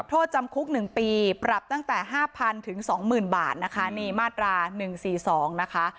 โทษจำคุก๑ปีปรับตั้งแต่๕๐๐ถึง๒๐๐๐บาทนะคะนี่มาตรา๑๔๒นะคะ